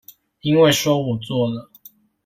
因為說我做了